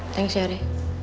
thanks ya re